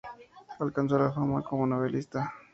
Alcanzó la fama como novelista.